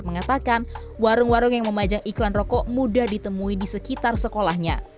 mengatakan warung warung yang memajang iklan rokok mudah ditemui di sekitar sekolahnya